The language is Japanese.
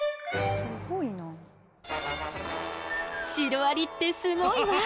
シロアリってすごいわ！